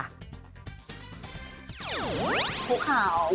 พูดข่าว